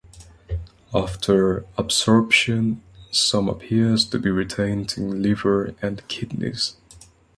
After absorption, some appears to be retained in liver and kidneys.